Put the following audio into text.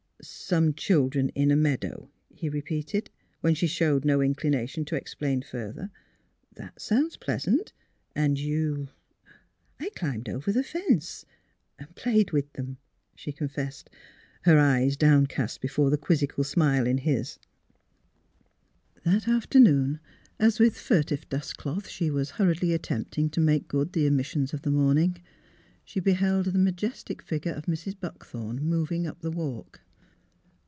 " Some children in a meadow," he repeated, when she showed no inclination to explain further. *' That sounds pleasant. And you ?"" I climbed over the fence and — and — played with them," she confessed, her eyes downcast before the quizzical smile in his. PLAYING MOTHER 269 That afternoon, as with furtive dustcloth she was hurriedly attempting to make good the omis sions of the morning, she beheld the majestic fig ure of Mrs. Buckthorn moving up the walk.